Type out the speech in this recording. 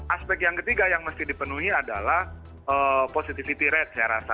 aspek yang ketiga yang mesti dipenuhi adalah positivity rate saya rasa